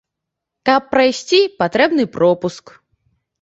Каб прайсці, патрэбны пропуск.